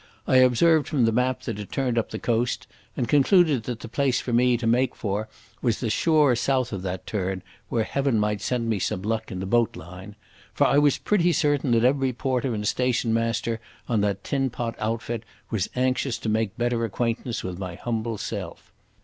I observed from the map that it turned up the coast, and concluded that the place for me to make for was the shore south of that turn, where Heaven might send me some luck in the boat line. For I was pretty certain that every porter and station master on that tin pot outfit was anxious to make better acquaintance with my humble self.